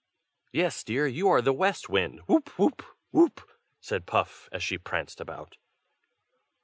"Yes, dear, you are the West Wind; whoop! whoop! whoop!" said Puff, as she pranced about.